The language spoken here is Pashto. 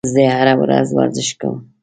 زه هره ورځ ورزش کوم.